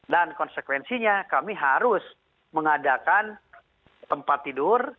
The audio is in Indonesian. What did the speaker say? dan konsekuensinya kami harus mengadakan tempat tidur